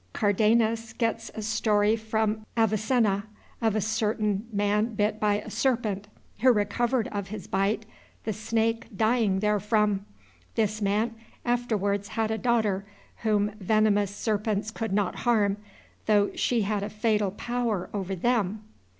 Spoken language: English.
Cardanus gets a story from Avicenna, of a certain man bit by a serpent, who recovered of his bite, the snake dying therefrom. This man afterwards had a daughter whom venomous serpents could not harm, though she had a fatal power over them.